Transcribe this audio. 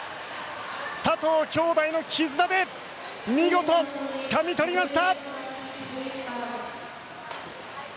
佐藤姉弟の絆で見事、つかみ取りました！